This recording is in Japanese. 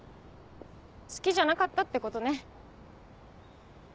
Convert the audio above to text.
好きじゃなかったってことね。